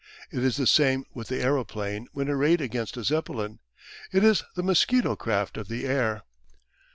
It is the same with the aeroplane when arrayed against a Zeppelin. It is the mosquito craft of the air.